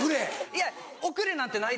いや遅れなんてないです。